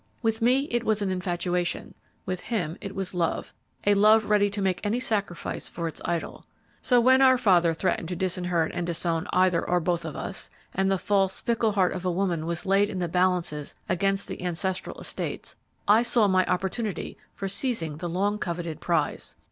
With me it was an infatuation; with him it was love, a love ready to make any sacrifice for its idol. So when our father threatened to disinherit and disown either or both of us, and the false, fickle heart of a woman was laid in the balances against the ancestral estates, I saw my opportunity for seizing the long coveted prize.